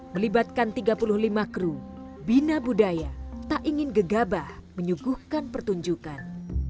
melibatkan tiga puluh lima kru bina budaya tak ingin gegabah menyuguhkan pertunjukan